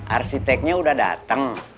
arsiteknya udah dateng